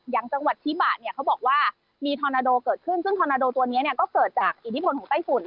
อย่างจังหวัดชิบะเนี่ยเขาบอกว่ามีทอนาโดเกิดขึ้นซึ่งทอนาโดตัวนี้ก็เกิดจากอิทธิพลของไต้ฝุ่น